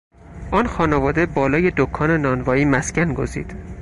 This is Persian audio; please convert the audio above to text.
آن خانواده بالای دکان نانوایی مسکن گزید.